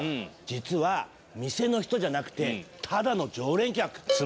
実は店の人じゃなくてただの常連客。